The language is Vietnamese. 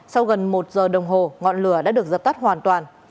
sau gần một giờ đồng hồ ngọn lửa đã được dập tắt hoàn toàn